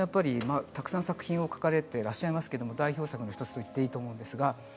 たくさん作品を描かれてらっしゃいますけども代表作の１つと言っていいと思います。